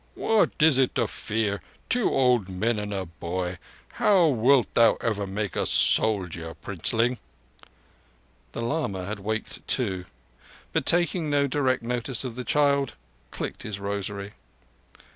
"What is it to fear? Two old men and a boy? How wilt thou ever make a soldier, Princeling?" The lama had waked too, but, taking no direct notice of the child, clicked his rosary.